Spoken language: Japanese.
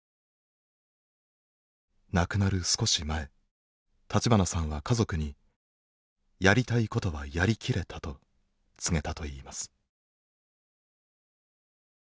亡くなる少し前立花さんは家族にやりたいことはやり切れたと告げたといいます。